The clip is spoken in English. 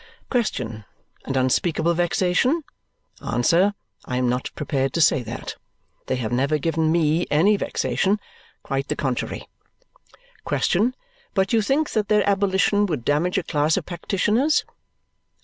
Question: And unspeakable vexation? Answer: I am not prepared to say that. They have never given ME any vexation; quite the contrary. Question: But you think that their abolition would damage a class of practitioners?